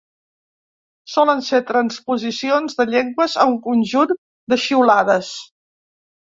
Solen ser transposicions de llengües a un conjunt de xiulades.